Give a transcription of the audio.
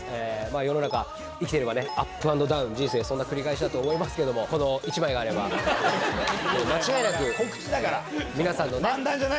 世の中、生きてれば、アップダウン、人生そんな繰り返しだと思いますけれども、この１枚があれば、間違いなく、皆さんの。